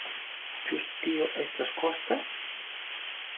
Ĉu tio estos kosta?